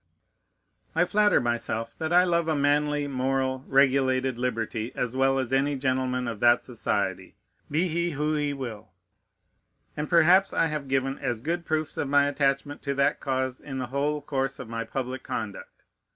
I flatter myself that I love a manly, moral, regulated liberty as well as any gentleman of that society, be he who he will; and perhaps I have given as good proofs of my attachment to that cause, in the whole course of my public conduct.